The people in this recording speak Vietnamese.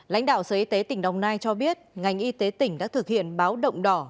lãnh đạo sở y tế tỉnh đồng nai cho biết ngành y tế tỉnh đã thực hiện báo động đỏ